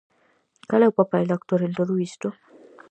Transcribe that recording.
Cal é o papel do actor en todo isto?